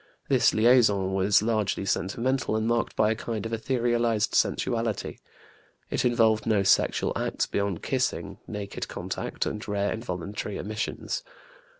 This liaison was largely sentimental, and marked by a kind of etherealized sensuality. It involved no sexual acts beyond kissing, naked contact, and rare involuntary emissions.